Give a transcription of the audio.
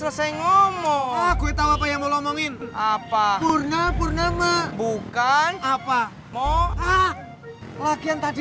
selesai ngomong gue tahu apa yang mau ngomongin apa purna purna mbak bukan apa mau ah lagian tadi